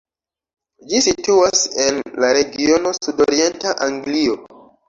Ĝi situas en la regiono sudorienta Anglio.